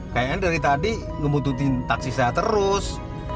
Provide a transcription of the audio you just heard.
kayaknya dari tadi ngebututin taksi saya terus